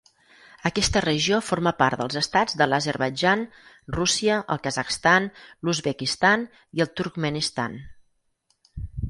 Aquesta regió forma part dels estats de l'Azerbaidjan, Rússia, el Kazakhstan, l'Uzbekistan i el Turkmenistan.